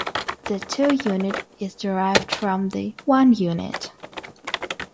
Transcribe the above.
The 'two unit' is derived from the 'one unit'.